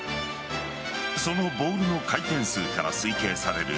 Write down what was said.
そのボールの回転数から推計される